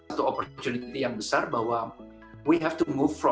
satu kesempatan yang besar bahwa kita harus bergerak dari